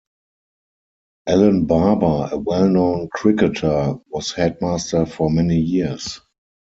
Alan Barber, a well known cricketer, was headmaster for many years.